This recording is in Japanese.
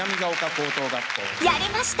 やりました！